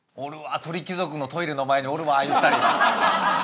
鳥貴族のトイレの前におるわああいう２人。